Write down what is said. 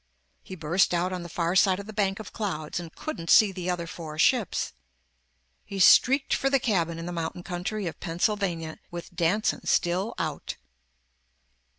He burst out on the far side of the bank of clouds and couldn't see the other four ships. He streaked for the cabin in the mountain country of Pennsylvania, with Danson still out.